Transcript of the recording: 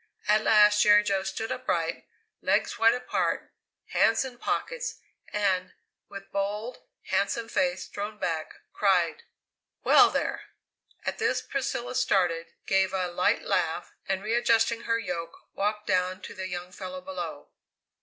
At last Jerry Jo stood upright, legs wide apart, hands in pockets, and, with bold, handsome face thrown back, cried: "Well, there!" At this Priscilla started, gave a light laugh, and readjusting her yoke, walked down to the young fellow below.